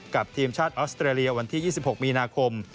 ทีมชาติออสเตรเลียวันที่๒๖มีนาคม